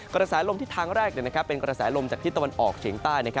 กระแสลมทิศทางแรกเป็นกระแสลมจากที่ตะวันออกเฉียงใต้